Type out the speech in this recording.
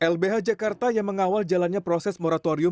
lbh jakarta yang mengawal jalannya proses moratorium